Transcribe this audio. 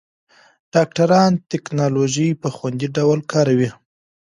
ډاکټران ټېکنالوژي په خوندي ډول کاروي.